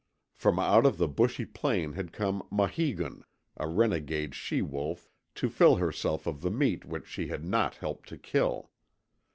From out of the bushy plain had come Maheegun, a renegade she wolf, to fill herself of the meat which she had not helped to kill.